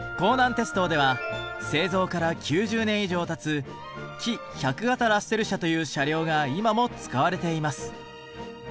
鉄道では製造から９０年以上たつ「キ１００形ラッセル車」という車両が今も使われています。